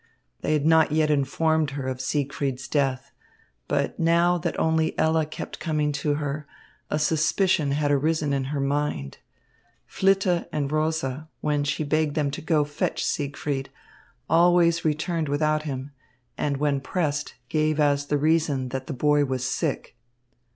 They had not yet informed her of Siegfried's death, but, now that only Ella kept coming to her, a suspicion had arisen in her mind. Flitte and Rosa, when she begged them to go fetch Siegfried, always returned without him, and when pressed, gave as the reason that the boy was sick.